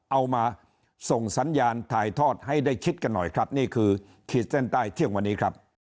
เอามาส่งสัญญาณถ่ายทอดให้ได้คิดกันหน่อยครับนี่คือขีดเส้นใต้เที่ยงวันนี้ครับ